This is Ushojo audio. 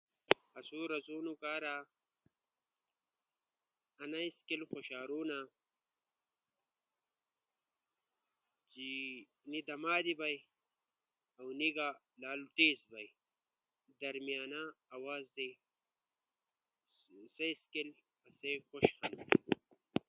آسو رزونو کارا نا سکیل خوشارونا چی نی دما دے بئی، اؤ نی گا لالو تیز بئی۔ درمیانہ آواز دے۔ نو سا سکیل آسئی خوش ہنو۔